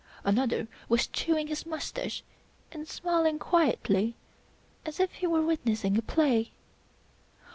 Another was chewing his mustache and smiling quietly as if he were witnessing a play.